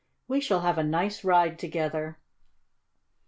We shall have a nice ride together.